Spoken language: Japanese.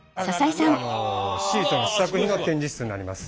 シートの試作品の展示室になります。